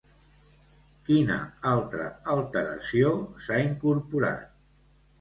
Quina altra alteració s'ha incorporat?